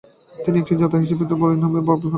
তিনি একটি ছাতা নিয়ে বসে থাকতেন এবং হরিনাম জপ করতেন।